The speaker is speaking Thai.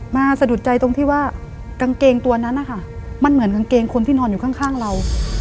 สะดุดใจตรงที่ว่ากางเกงตัวนั้นนะคะมันเหมือนกางเกงคนที่นอนอยู่ข้างเรา